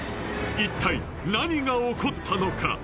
一体何が起こったのか？